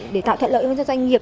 để tạo thuận lợi cho doanh nghiệp